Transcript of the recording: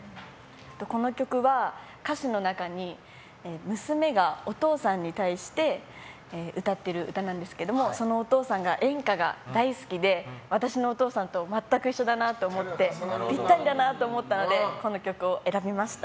この曲は歌詞の中に娘がお父さんに対して歌っている歌なんですがそのお父さんが演歌が大好きで私のお父さんと全く一緒だなと思ってぴったりだなと思ったのでこの曲を選びました。